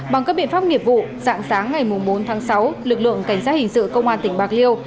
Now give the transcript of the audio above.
bằng các biện pháp nghiệp vụ dạng sáng ngày bốn tháng sáu lực lượng cảnh sát hình sự công an tỉnh bạc liêu